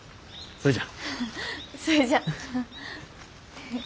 それじゃ。